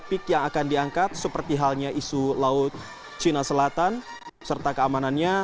topik yang akan diangkat seperti halnya isu laut cina selatan serta keamanannya